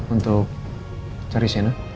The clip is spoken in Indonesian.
untuk cari sienna